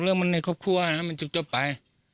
เรื่องมันในครอบครัวนะครับมันจบไป